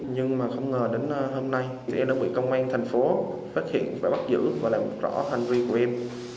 nhưng mà không ngờ đến hôm nay thì em đã bị công an thành phố phát hiện và bắt giữ và làm rõ hành vi của em